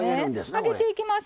揚げていきます。